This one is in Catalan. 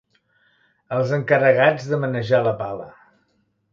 Els encarregats de manejar la pala.